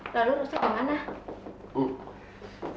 lalu rusak di mana